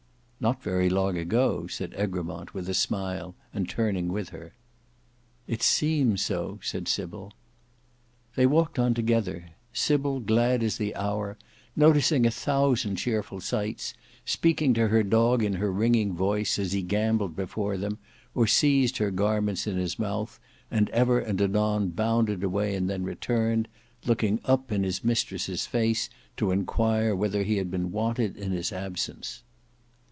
"Not very long ago," said Egremont, with a smile, and turning with her. "It seems so," said Sybil. They walked on together; Sybil glad as the hour; noticing a thousand cheerful sights, speaking to her dog in her ringing voice, as he gambolled before them, or seized her garments in his mouth, and ever and anon bounded away and then returned, looking up in his mistress' face to inquire whether he had been wanted in his absence.